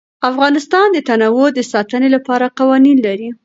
افغانستان د تنوع د ساتنې لپاره قوانین لري.